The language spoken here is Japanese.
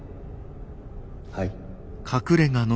はい。